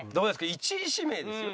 １位指名ですよ。